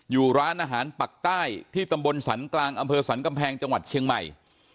อยู่ร้านอาหารปักใต้ที่ตำบลสันกลางอำเภอสรรกำแพงจังหวัดเชียงใหม่